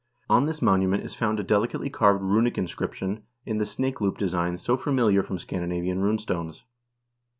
On this monu ment is found a delicately carved runic inscription in the snake loop design so familiar from Scan dinavian rune stones.